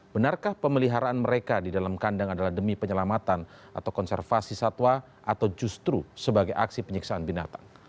benarkah pemeliharaan mereka di dalam kandang adalah demi penyelamatan atau konservasi satwa atau justru sebagai aksi penyiksaan binatang